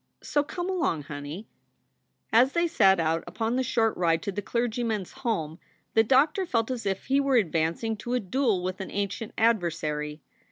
So come along, honey." As they set out upon the short ride to the clergyman s home the doctor felt as if he were advancing to a duel with an ancient adversary.